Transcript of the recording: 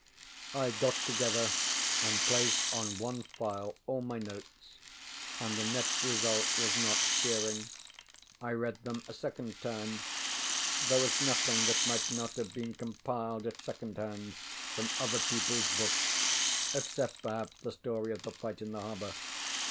I got together and placed on one file all my notes; and the net result was not cheering. I read them a second time. There was nothing that might not have been compiled at second hand from other peopleŌĆÖs books except, perhaps, the story of the fight in the harbor.